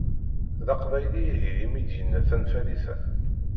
D aqbayli ihi imi d-yenna tanfalit-a?